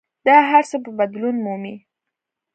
دا هر څه به بدلون مومي.